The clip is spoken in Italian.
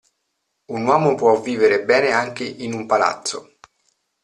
Un uomo può vivere bene anche in un palazzo.